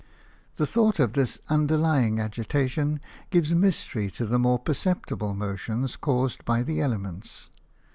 The thought of this underlying agitation gives mystery to the more perceptible motions caused by the elements.